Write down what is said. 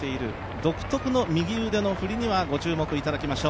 独特の右腕の振りにはご注目いただきましょう。